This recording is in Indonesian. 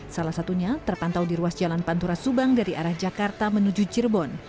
salah satunya terpantau di ruas jalan pantura subang dari arah jakarta menuju cirebon